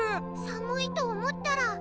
寒いと思ったら。